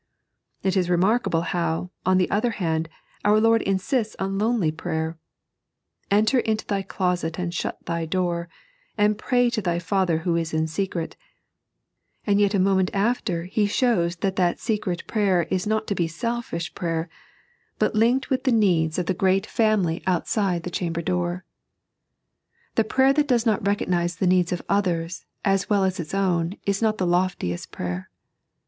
It is remarkable how, on the one hand, our Lord insistfi on lonely prayer :" Enter into thy closet and shut thy door, and pray to thy Father, who is in secret"; and yet a moment after He shows that that secret prayer is not to be selfish prayer, but linked with the needs of the great 3.n.iized by Google The Isolation op Griep. 115 family ontside the chamber door. The prayer that does not recogniae the needs of others as well as its own is not the loftiest prayer.